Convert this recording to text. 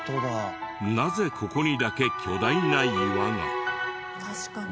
なぜここにだけ巨大な岩が？